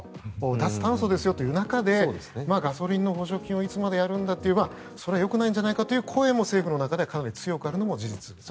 脱炭素ですよという中でガソリンの補助金をいつまでやるんだといえばそれはよくないんじゃないかという声が政府の中ではかなり強くあるのも事実です。